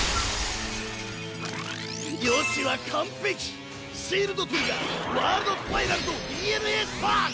予知は完璧シールド・トリガーワールド・スパイラルとＤＮＡ・スパーク！